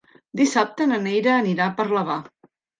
Dissabte na Neida anirà a Parlavà.